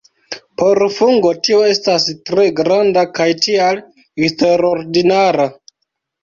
Por fungo tio estas tre granda kaj tial eksterordinara.